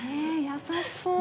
優しそう！